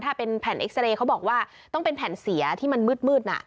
ถ้าเป็นแผ่นเอ็กซาเรย์เขาบอกว่าต้องเป็นแผ่นเสียที่มันมืดน่ะ